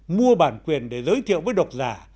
mua bản quyền để giới thiệu với độc giả